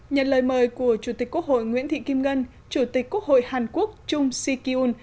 nhận lời mời của chủ tịch quốc hội nguyễn thị kim ngân chủ tịch quốc hội hàn quốc trung si ki un